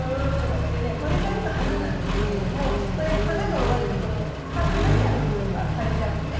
でねこれが今花なんですけれどもこれ花が終わるとこの花びらの部分は枯れちゃうのね。